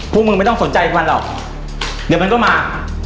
พวกมึงไม่ต้องสนใจมันหรอกเดี๋ยวมันก็มา